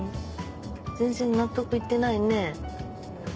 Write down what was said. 全然納得いってないね。